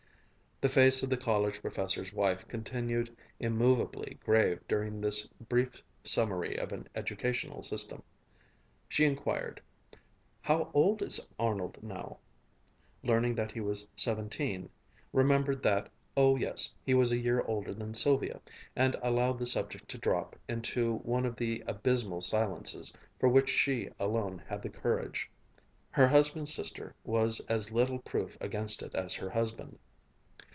The face of the college professor's wife continued immovably grave during this brief summary of an educational system. She inquired, "How old is Arnold now?" learned that he was seventeen, remembered that, oh yes, he was a year older than Sylvia, and allowed the subject to drop into one of the abysmal silences for which she alone had the courage. Her husband's sister was as little proof against it as her husband.